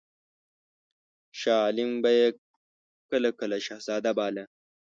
شاه عالم به یې کله کله شهزاده باله.